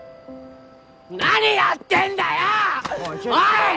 何やってんだよ‼おい！